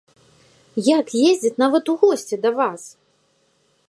Як ездзіць нават у госці да вас?!